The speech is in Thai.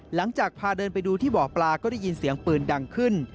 หลังจากพาเดินไปดูที่บ่อปลาก็ได้ยินเสียงปืนดังขึ้น